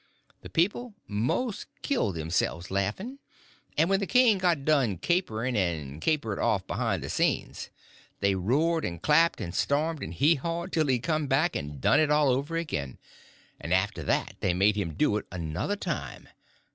The people most killed themselves laughing; and when the king got done capering and capered off behind the scenes, they roared and clapped and stormed and haw hawed till he come back and done it over again, and after that they made him do it another time.